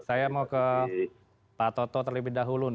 saya mau ke pak toto terlebih dahulu